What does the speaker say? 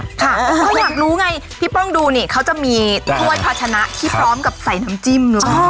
ค่ะเขาอยากรู้ไงพี่ป้องดูเนี่ยเขาจะมีถ้วยพาชนะที่พร้อมกับใส่น้ำจิ้ม